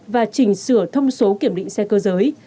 và chỉnh sửa thông số kiểm định xe cơ giới